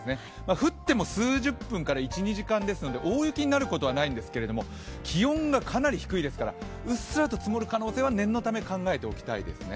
降っても数十分から１２時間ですので大雪になることはないんですけれども気温がかなり低いですから、うっすらと積もる可能性は念のため考えておきたいですね。